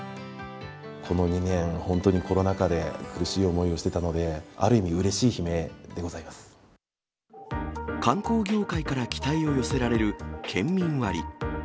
この２年、本当にコロナ禍で苦しい思いをしていたので、ある意味、うれしい観光業界から期待を寄せられる県民割。